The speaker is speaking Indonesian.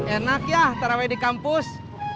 enak yah utarawe di kampus